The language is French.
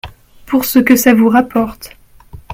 Pour ce que ça vous rapporte.